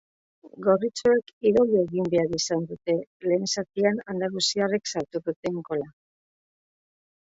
Gorritxoek irauli egin behar izan dute lehen zatian andaluziarrek sartu duten gola.